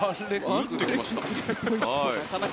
打ってきました。